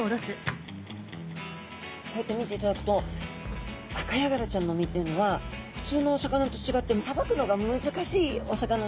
こうやって見ていただくとアカヤガラちゃんの身っていうのは普通のお魚と違ってさばくのが難しいお魚なんですね。